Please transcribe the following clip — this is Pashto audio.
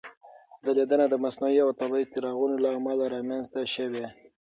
ځلېدنه د مصنوعي او طبیعي څراغونو له امله رامنځته شوې.